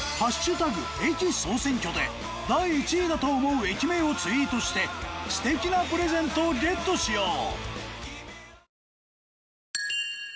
駅総選挙で第１位だと思う駅名をツイートして素敵なプレゼントをゲットしよう。